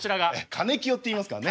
かねきよっていいますからね。